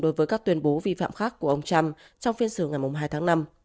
đối với các tuyên bố vi phạm khác của ông trump trong phiên xử ngày hai tháng năm